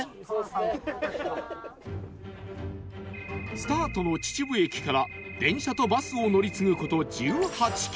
スタートの秩父駅から電車とバスを乗り継ぐ事１８キロ